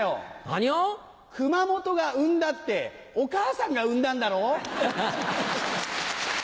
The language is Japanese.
何を⁉「熊本が生んだ」ってお母さんが産んだんだろう？